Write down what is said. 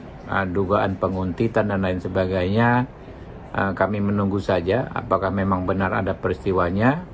nah dugaan penguntitan dan lain sebagainya kami menunggu saja apakah memang benar ada peristiwanya